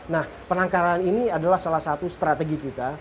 nah penangkaran ini adalah salah satu strategi kita